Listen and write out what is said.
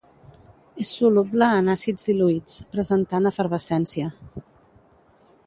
És soluble en àcids diluïts, presentant efervescència.